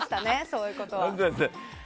そういうことは。